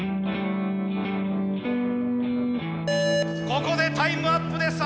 ここでタイムアップです